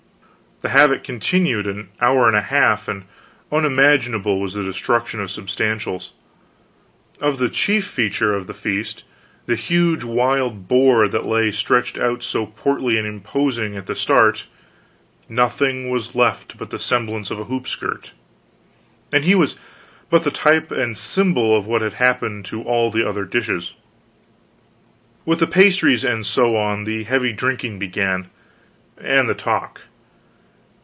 The havoc continued an hour and a half, and unimaginable was the destruction of substantials. Of the chief feature of the feast the huge wild boar that lay stretched out so portly and imposing at the start nothing was left but the semblance of a hoop skirt; and he was but the type and symbol of what had happened to all the other dishes. With the pastries and so on, the heavy drinking began and the talk.